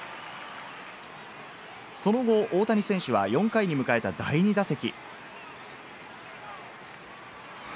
その後、大谷選手は４回に迎えた第２打席。